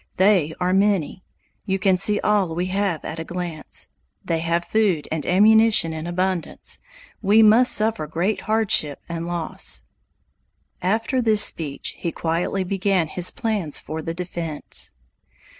They are many. You can see all we have at a glance. They have food and ammunition in abundance. We must suffer great hardship and loss." After this speech, he quietly began his plans for the defense.